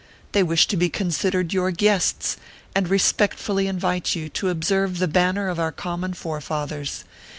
They wish to be considered your guests, and respect fully invite you to observe the banner of our common forefathers.